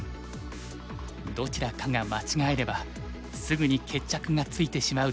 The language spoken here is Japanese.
どちらかが間違えればすぐに決着がついてしまう展開に。